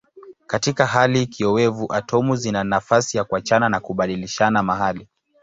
Katika hali kiowevu atomu zina nafasi ya kuachana na kubadilishana mahali.